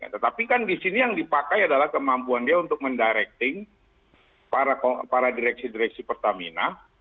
tetapi kan di sini yang dipakai adalah kemampuan dia untuk mendirecting para direksi direksi pertamina